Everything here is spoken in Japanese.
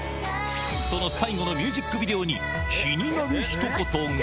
その最後のミュージックビデオに、気になるひと言が。